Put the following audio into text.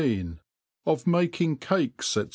OF MAKING CAKES, &c.